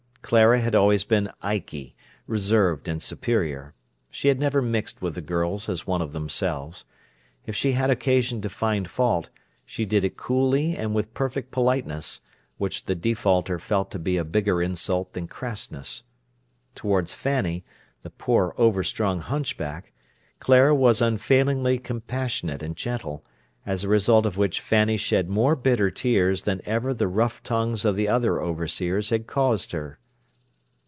Clara had always been "ikey", reserved, and superior. She had never mixed with the girls as one of themselves. If she had occasion to find fault, she did it coolly and with perfect politeness, which the defaulter felt to be a bigger insult than crassness. Towards Fanny, the poor, overstrung hunchback, Clara was unfailingly compassionate and gentle, as a result of which Fanny shed more bitter tears than ever the rough tongues of the other overseers had caused her.